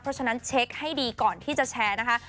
เพราะฉะนั้นเช็คให้ดีก่อนที่จะแชร์นะคะ